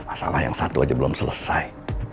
masalah yang satu aja belum selesai